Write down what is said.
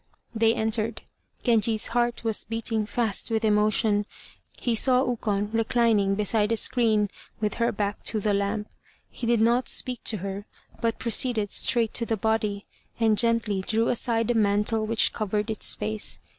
They entered. Genji's heart was beating fast with emotion. He saw Ukon reclining beside a screen, with her back to the lamp. He did not speak to her, but proceeded straight to the body, and gently drew aside the mantle which covered its face.